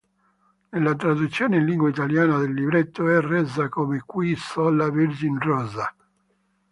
Nella traduzione in lingua italiana del libretto è resa come "Qui sola, virgin rosa".